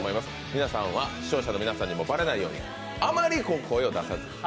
皆さんは視聴者の皆さんにもバレないようにあまり声を出さずに。